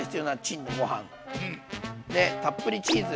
でたっぷりチーズ。